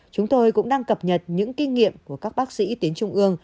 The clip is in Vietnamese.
chúng tôi cũng đang cập nhật những kinh nghiệm của các bác sĩ tuyến trung ương